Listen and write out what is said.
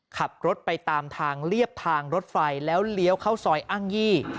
ขับรถไปตามทางเรียบทางรถไฟแล้วเลี้ยวเข้าซอยอ้างยี่